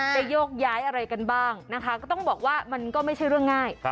โยกย้ายอะไรกันบ้างนะคะก็ต้องบอกว่ามันก็ไม่ใช่เรื่องง่าย